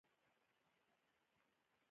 د قلم دې برکت شه قانع ګله.